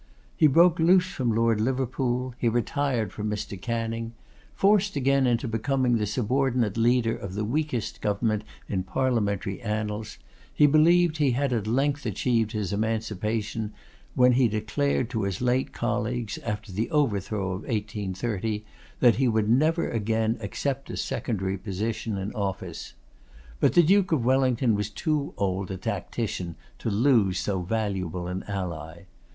He broke loose from Lord Liverpool; he retired from Mr. Canning. Forced again into becoming the subordinate leader of the weakest government in parliamentary annals, he believed he had at length achieved his emancipation, when he declared to his late colleagues, after the overthrow of 1830, that he would never again accept a secondary position in office. But the Duke of Wellington was too old a tactician to lose so valuable an ally.